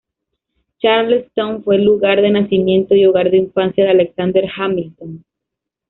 Charlestown fue el lugar de nacimiento y hogar de infancia de Alexander Hamilton.